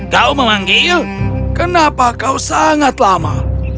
kau memanggil kenapa kau sangat lama